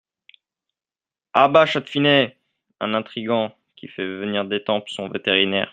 À bas Chatfinet ! un intrigant… qui fait venir d’Etampes son vétérinaire !